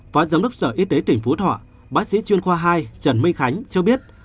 phó giám đốc sở y tế tỉnh phú thọ bác sĩ chuyên khoa hai trần minh khánh cho biết